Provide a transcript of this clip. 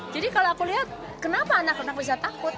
jadi kalau aku lihat kenapa anak anak bisa takut